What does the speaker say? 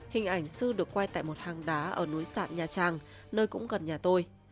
hình ảnh sư được quay tại một hang đá ở núi sạn nhà tràng nơi cũng gần nhà tôi